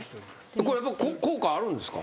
これ効果あるんですか？